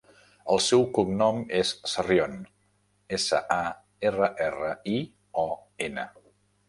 El seu cognom és Sarrion: essa, a, erra, erra, i, o, ena.